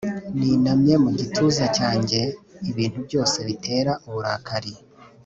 ninamye mu gituza cyanjye ibintu byose bitera uburakari